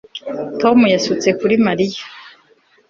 Tom yasutse kuri Mariya